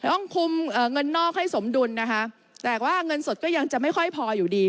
ต้องคุมเงินนอกให้สมดุลนะคะแต่ว่าเงินสดก็ยังจะไม่ค่อยพออยู่ดี